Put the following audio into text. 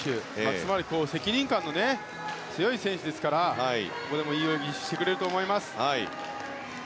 つまり責任感の強い選手ですからここでもいい泳ぎをしてくれると思います。